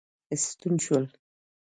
ستون شول.